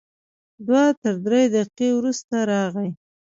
دوه تر درې دقیقې وروسته راغی.